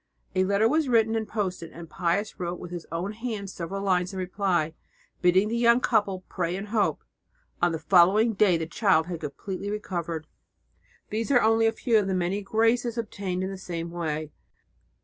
A letter was written and posted, and Pius wrote with his own hand several lines in reply, bidding the young couple pray and hope. On the following day the child had completely recovered. These are only a few of the many graces obtained in the same way.